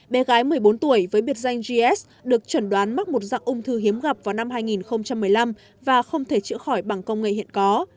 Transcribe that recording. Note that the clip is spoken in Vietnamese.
bé gái một mươi bốn tuổi với biệt danh gs được chuẩn đoán mắc một dạng ung thư hiếm gặp vào năm hai nghìn một mươi năm và không thể chữa khỏi bằng công nghệ hiện có